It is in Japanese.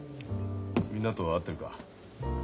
みんなとは会ってるか？